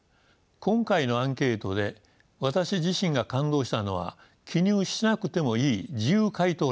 今回のアンケートで私自身が感動したのは記入しなくてもいい自由回答欄